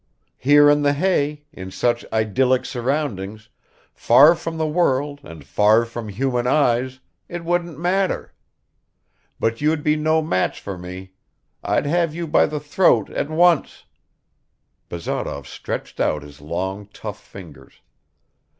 Here in the hay, in such idyllic surroundings, far from the world and from human eyes, it wouldn't matter. But you'd be no match for me. I'd have you by the throat at once ..." Barazov stretched out his long tough fingers.